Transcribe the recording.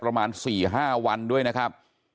แก้ลายมาแค่ประมาณ๔๕วันด้วยนะครับ